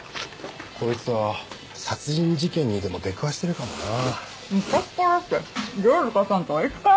こいつは殺人事件にでも出くわしてるかもなぁ。